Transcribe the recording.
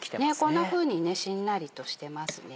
こんなふうにしんなりとしてますね。